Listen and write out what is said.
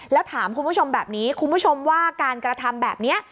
แล้วถามคุณผู้ชมแบบนี้คุณผู้ชมว่าการกระทำแบบนี้